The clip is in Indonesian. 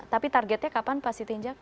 tapi targetnya kapan pak si tinjak